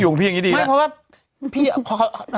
มนุษย์ต่างดาวต้องการจะเจอหน่อย